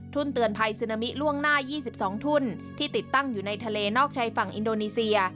เตือนภัยซึนามิล่วงหน้า๒๒ทุ่นที่ติดตั้งอยู่ในทะเลนอกชายฝั่งอินโดนีเซีย